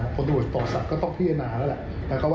คนที่จะโดยต่อสัตว์ก็ต้องพิจารณาแล้วแหละ